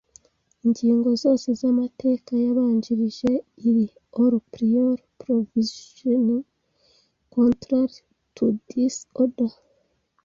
Ingingo zose z amateka yabanjirije iri All prior provision contrary to this Order